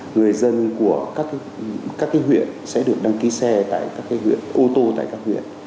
người dân của các huyện sẽ được đăng ký xe tại các huyện ô tô tại các huyện